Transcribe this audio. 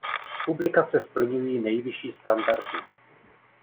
Publikace splňují nejvyšší standardy.